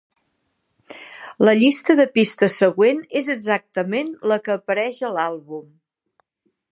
La llista de pistes següent és exactament la que apareix a l'àlbum.